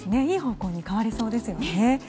いい方向に変わりそうですよね。